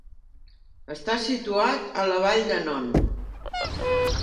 Està situat a la Vall de Non.